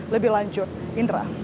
lebih lanjut indra